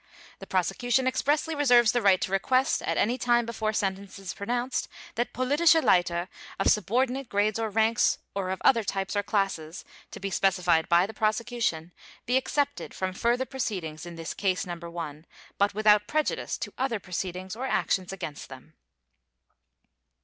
The prosecution expressly reserves the right to request, at any time before sentence is pronounced, that Politische Leiter of subordinate grades or ranks or of other types or classes, to be specified by the Prosecution, be excepted from further proceedings in this Case No. 1, but without prejudice to other proceedings or actions against them.